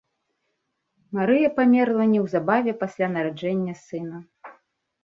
Марыя памерла неўзабаве пасля нараджэння сына.